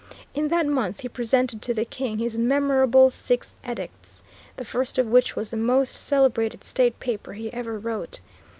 In that month he presented to the King his memorable Six Edicts, the first of which was the most celebrated state paper he ever wrote.